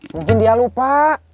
mungkin dia lupa